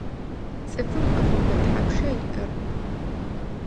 Цӏыфым ӏэхъомбэ тхьапша иӏэр?